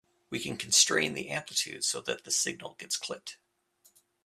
We can constrain the amplitude so that the signal gets clipped.